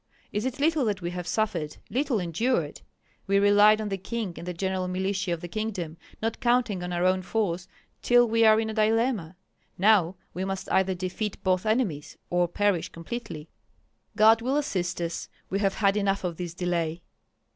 Is it little that we have suffered, little endured? We relied on the king and the general militia of the kingdom, not counting on our own force, till we are in a dilemma; now we must either defeat both enemies or perish completely." "God will assist us! We have had enough of this delay."